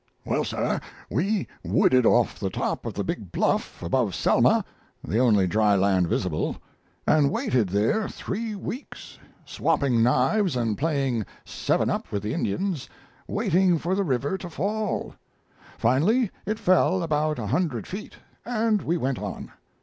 Well, sir, we wooded off the top of the big bluff above Selmathe only dry land visible and waited there three weeks, swapping knives and playing "seven up" with the Indians, waiting for the river to fall. Finally, it fell about a hundred feet, and we went on.